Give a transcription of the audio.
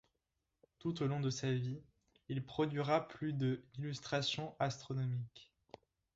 Tout au long de sa vie, il produira plus de illustrations astronomiques.